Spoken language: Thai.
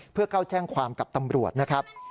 เพื่อเข้าแจ้งความกับตำรวจนะครับ